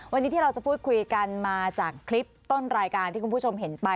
วันนี้ที่เราจะพูดคุยกันมาจากคลิปต้นรายการที่คุณผู้ชมเห็นไป